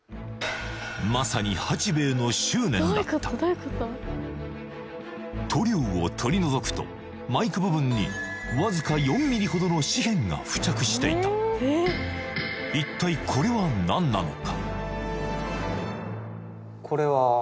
まさに八兵衛の執念だった塗料を取り除くとマイク部分にわずか４ｍｍほどの紙片が付着していた一体これは何なのか？